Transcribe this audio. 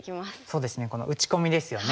そうですねこの打ち込みですよね。